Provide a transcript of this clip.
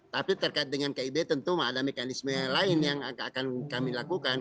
tapi terkait dengan kib tentu ada mekanisme lain yang akan kami lakukan